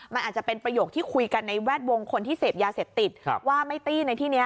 มันอาจจะเป็นประโยคที่คุยกันในแวดวงคนที่เสพยาเสพติดว่าไม่ตี้ในที่นี้